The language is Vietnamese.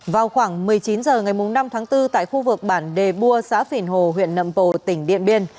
vào khoảng một mươi chín h ngày năm tháng bốn tại khu vực bản đề bua xã phìn hồ huyện nậm bồ tỉnh điện biên